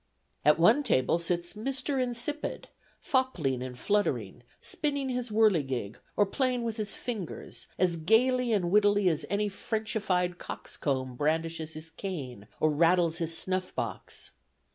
At one table sits Mr. Insipid, foppling and fluttering, spinning his whirligig, or playing with his fingers, as gaily and wittily as any Frenchified cox comb brandishes his cane or rattles his snuff box.